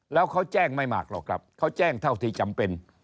แล้วเขาแจ้งไม่มากหรอกครับเขาแจ้งเท่าที่จำเป็น